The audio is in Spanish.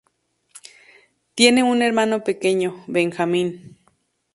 Tiene un hermano pequeño, Benjamin.